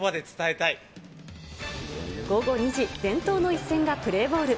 午後２時、伝統の一戦がプレーボール。